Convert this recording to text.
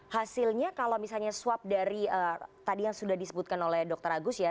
hasilnya kalau misalnya swab dari tadi yang sudah disebutkan oleh dr agus ya